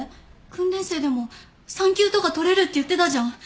訓練生でも産休とか取れるって言ってたじゃん。